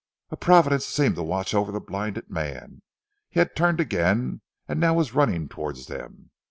A providence seemed to watch over the blind man. He had turned again and now was running towards them.